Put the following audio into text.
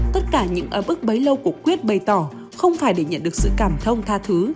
tất cả những ấm ức bấy lâu của quyết bày tỏ không phải để nhận được sự cảm thông tha thứ